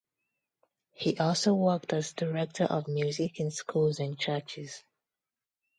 He also worked as director of music in schools and churches.